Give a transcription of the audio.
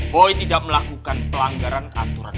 boy tidak melakukan pelanggaran atau kegagalan